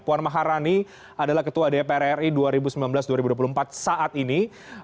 puan maharani adalah ketua dpr ri dua ribu sembilan belas dua ribu dua puluh empat saat ini